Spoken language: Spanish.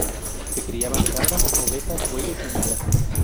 Se criaban cabras, ovejas, bueyes y mulas.